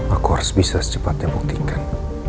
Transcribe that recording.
aku harus bisa secepatnya buktikan